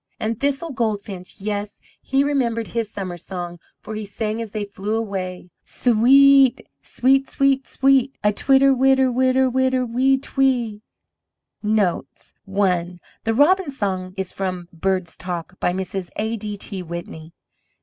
And Thistle Goldfinch? Yes, he remembered his summer song, for he sang as they flew away: "Swee e et sweet sweet sweet a twitter witter witter witter wee twea!" notes. l. The Robin's song is from "Bird Talks," by Mrs. A.D.T. Whitney.